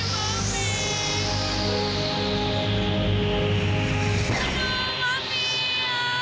masih uma dulu rundumnya